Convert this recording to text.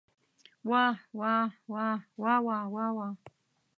واه واه واه واوا واوا.